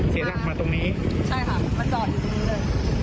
เสียหลักมาตรงนี้ใช่ค่ะมาจอดอยู่ตรงนี้เลย